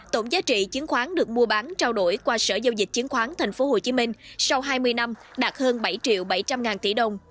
tổng giá trị chứng khoán được mua bán trao đổi qua sở giao dịch chứng khoán tp hcm sau hai mươi năm đạt hơn bảy triệu bảy trăm linh ngàn tỷ đồng